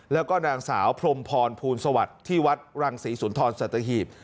แล้วก็นางสาวพรมพรภูลสวัสดิ์ที่วัดรังศรีสุนทรสัตหีบ